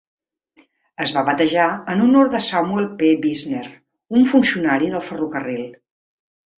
Es va batejar en honor de Samuel P. Wisner, un funcionari del ferrocarril.